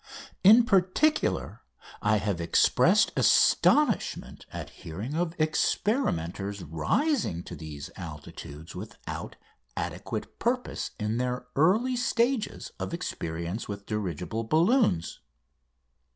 In particular, I have expressed astonishment at hearing of experimenters rising to these altitudes without adequate purpose in their early stages of experience with dirigible balloons.